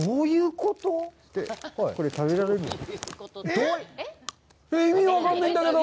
これ、食べられるんです。